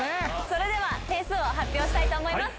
それでは点数を発表したいと思います。